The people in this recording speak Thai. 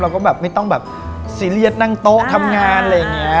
แบบไม่ต้องแบบซีเรียสนั่งโต๊ะทำงานอะไรอย่างนี้